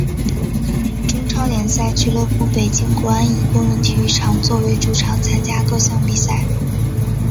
中超联赛俱乐部北京国安以工人体育场作为主场参加各项比赛。